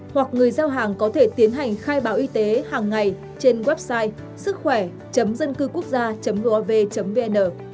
hoặc người giao hàng có thể tiến hành khai báo y tế hàng ngày trên website sứckhoẻ dâncưquốcgia gov vn